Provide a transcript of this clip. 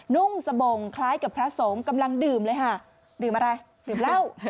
นุ่งสบงคล้ายกับพระสงฆ์กำลังดื่มเลยค่ะดื่มอะไรดื่มเหล้า